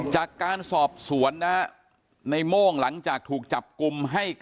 จากการสอบสวนนะฮะในโม่งหลังจากถูกจับกลุ่ม